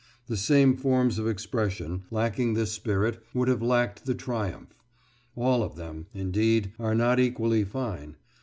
The same forms of expression, lacking this spirit, would have lacked the triumph. All of them, indeed, are not equally fine.